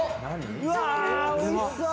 うわおいしそう！